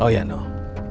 oh ya noh